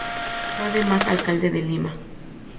Fue además alcalde de Lima.